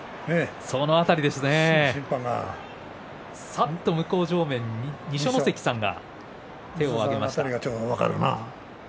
さっと向正面二所ノ関さんが手を上げました。